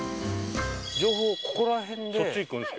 情報ここら辺で。